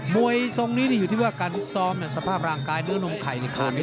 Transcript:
มวยทรงนี้อยู่ที่ว่าการพิสร้อมสภาพร่างกายเนื้อนมไข่ในข้ามิดปาก